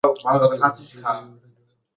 দেখতে পেলাম, তাকে অর্ধেক রূপ দেয়া হয়েছে।